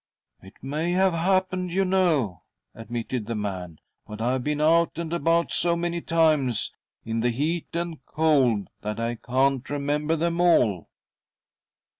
; "It may have happened, you know," admitted the man, " but I've been out and about so many urnes .in the heat and cold that I can't remember them all."